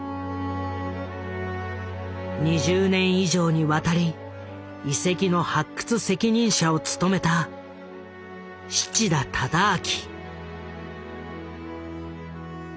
２０年以上にわたり遺跡の発掘責任者を務めた七田忠昭。